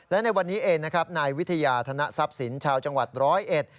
และในวันนี้เอนในวิทยาธนสับสินชาวจังหวัดร้อยเอ็ด